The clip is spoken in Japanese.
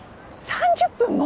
３０分も？